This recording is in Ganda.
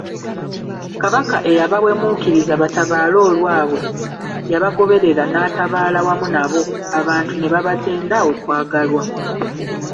Kabaka eyabawemuukiriza batabaale olwabwe, yabagoberera n'atabaala wamu nabo, abantu ne babatenda okwagalwa.